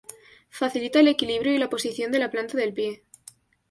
Facilita el equilibrio y la posición de la planta del pie.